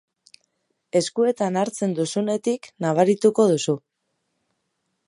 Eskuetan hartzen duzunetik nabarituko duzu.